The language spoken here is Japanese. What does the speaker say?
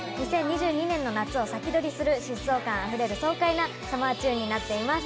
２０２２年の夏を先取りする疾走感あふれる爽快なサマーチューンになっています。